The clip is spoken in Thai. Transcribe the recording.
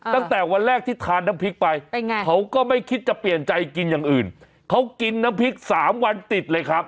ตั้งแต่วันแรกที่ทานน้ำพริกไปเขาก็ไม่คิดจะเปลี่ยนใจกินอย่างอื่นเขากินน้ำพริกสามวันติดเลยครับ